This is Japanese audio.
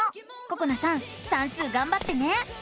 ここなさん算数がんばってね！